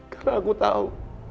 karena aku tau